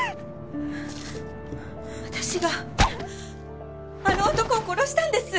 私があの男を殺したんです！